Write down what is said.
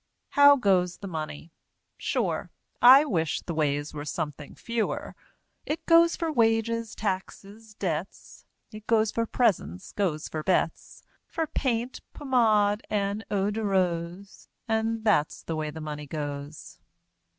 How goes the Money? Sure, I wish the ways were something fewer; It goes for wages, taxes, debts; It goes for presents, goes for bets, For paint, pommade, and eau de rose, And that's the way the Money goes!